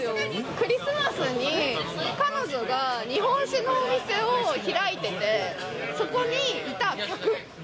クリスマスに彼女が日本酒のお店を開いてて、そこにいた客。